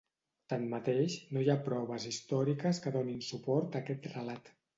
Tanmateix, no hi ha proves històriques que donin suport a aquest relat.